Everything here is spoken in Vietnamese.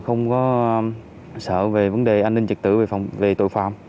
không có sợ về vấn đề an ninh trật tự về tội phạm